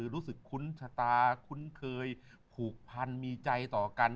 รู้สึกคุ้นชะตาคุ้นเคยผูกพันมีใจต่อกัน